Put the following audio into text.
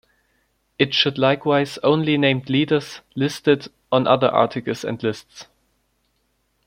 It should likewise only name leaders listed on other articles and lists.